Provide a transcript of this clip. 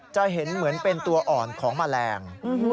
จะเห็นเหมือนเป็นตัวอ่อนของแมลง